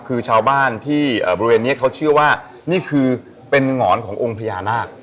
คือชาวบ้านที่บริเวณนี้เขาเชื่อว่านี่คือเป็นหงอนขององค์พญานาค